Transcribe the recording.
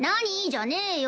じゃねえよ。